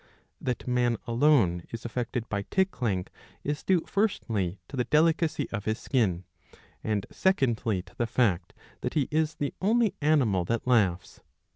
That man alone is affected by tickling,^ is due firstly to the delicacy of his skin, and secondly to the fact that he is the only animal that laughs.